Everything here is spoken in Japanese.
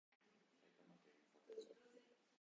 埼玉県美里町